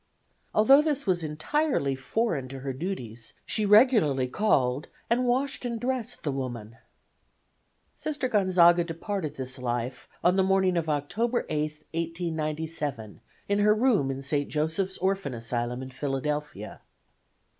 Although this was entirely foreign to her duties she regularly called and washed and dressed the woman. Sister Gonzaga departed this life on the morning of October 8, 1897, in her room in St. Joseph's Orphan Asylum in Philadelphia.